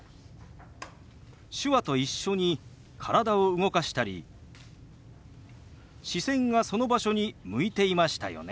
手話と一緒に体を動かしたり視線がその場所に向いていましたよね。